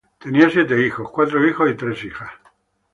Él tenía siete hijos, cuatro hijos y tres hijas.